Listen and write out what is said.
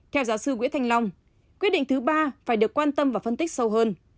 theo giáo sư nguyễn thanh long quyết định thứ ba phải được quan tâm và phân tích sâu hơn